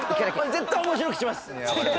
絶対面白くします！